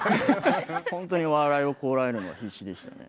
笑いをこらえるのに必死でしたね。